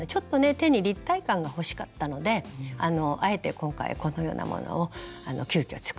手に立体感が欲しかったのであえて今回このようなものを急きょ作らせて頂きました。